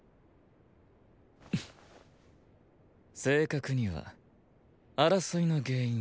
正確には争いの原因